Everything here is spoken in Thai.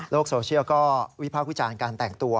โซเชียลก็วิพากษ์วิจารณ์การแต่งตัว